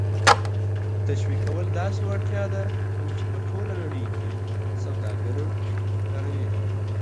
تشویقول داسې وړتیا ده کوم چې په ټوله نړۍ کې سوداګر کاروي.